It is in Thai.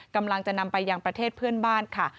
กำลังจะนำไปยังประเทศเพื่อนบ้านค่ะ